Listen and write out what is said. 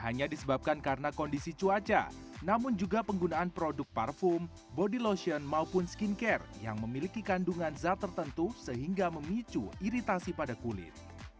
hanya disebabkan karena kondisi cuaca namun juga penggunaan produk parfum body lotion maupun skincare yang memiliki kandungan zat tertentu sehingga memicu iritasi pada kulit